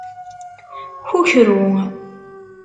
Kukru.